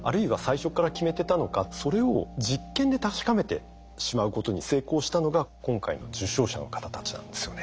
それを実験で確かめてしまうことに成功したのが今回の受賞者の方たちなんですよね。